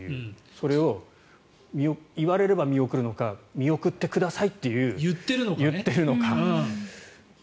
それを言われれば見送るのか見送ってくださいと言っているのか。